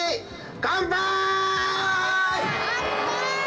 乾杯！